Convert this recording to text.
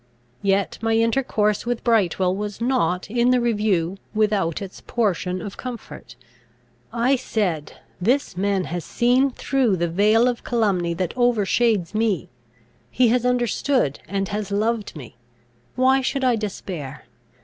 Yet my intercourse with Brightwel was not, in the review, without its portion of comfort. I said, "This man has seen through the veil of calumny that overshades me: he has understood, and has loved me. Why should I despair?